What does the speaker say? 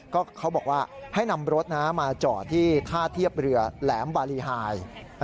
ก็เขาบอกว่าให้นำรถนะมาจอดที่ท่าเทียบเรือแหลมบารีไฮ